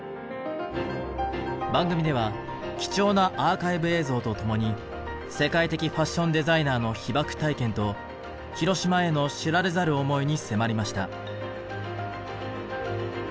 番組では貴重なアーカイブ映像と共に世界的ファッションデザイナーの被爆体験と広島への知られざる思いに迫りました。